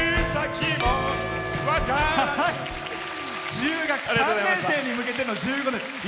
中学３年生に向けての「１５の夜」。